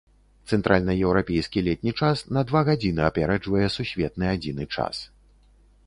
Цэнтральнаеўрапейскі летні час на два гадзіны апярэджвае сусветны адзіны час.